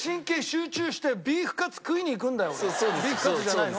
ビーフカツじゃないの？